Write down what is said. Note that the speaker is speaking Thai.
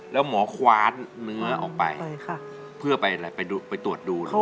แล้วหมอควาดเนื้อออกไปเพื่อไปอะไรไปตรวจดูหรือว่า